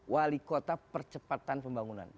wali kota percepatan pembangunan